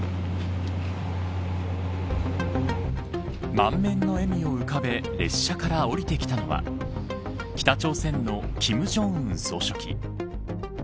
満面の笑みを浮かべ列車から降りてきたのは北朝鮮の金正恩総書記。